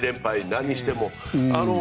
何しても。